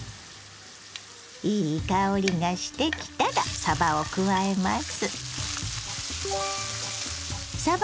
いい香りがしてきたらさばを加えます。